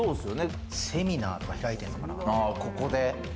セミナーとか開いてんのかな？